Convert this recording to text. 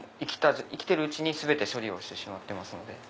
生きてるうちに全て処理をしてしまってますので。